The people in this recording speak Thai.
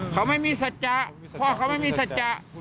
เขาไม่มีสัจจะพ่อเขาไม่มีสัจจะ